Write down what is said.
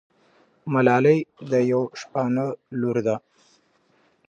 ملالۍ د یوه شپانه لور ده.